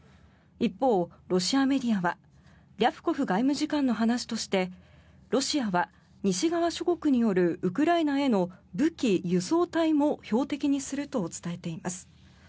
一方、ロシアメディアはリャプコフ外務次官の話としてロシアは西側諸国によるウクライナへの武器輸送隊も標的にすると伝えています。